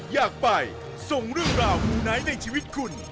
อยากไปส่งเรื่องราวมูไนท์ในชีวิตคุณ